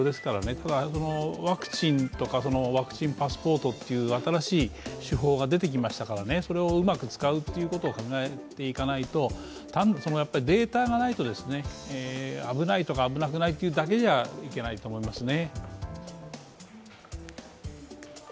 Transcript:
ただワクチンとかワクチンパスポートという新しい手法が出てきましたからそれをうまく使うことを考えていかないとデータがないと危ないとか危なくないというだけじゃいけないと思いますね。